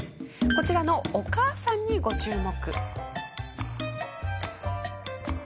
こちらのお母さんにご注目。